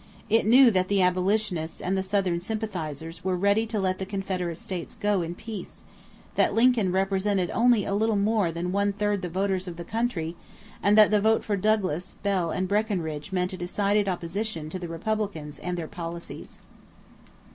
It knew that the abolitionists and the Southern sympathizers were ready to let the Confederate states go in peace; that Lincoln represented only a little more than one third the voters of the country; and that the vote for Douglas, Bell, and Breckinridge meant a decided opposition to the Republicans and their policies.